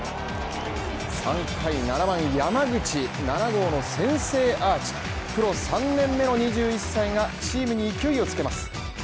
３回に７番山口７号の先制アーチプロ３年目の２１歳がチームに勢いをつけます。